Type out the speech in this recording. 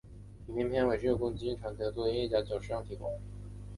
影片片尾曲则是与宫崎骏长期合作的音乐家久石让提供。